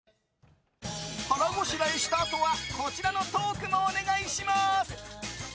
腹ごしらえしたあとはこちらのトークもお願いします。